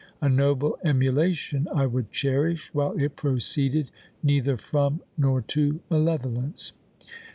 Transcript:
A noble emulation I would cherish, while it proceeded neither from, nor to malevolence.